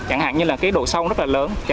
chẳng hạn như độ sâu rất lớn